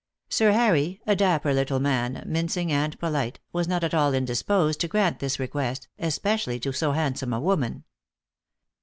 Sir Harry, a dapper little man, mincing and polite, was not at all indisposed to grant this request, especially to so handsome a woman.